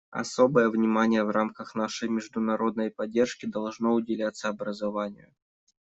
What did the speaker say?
Особое внимание в рамках нашей международной поддержки должно уделяться образованию.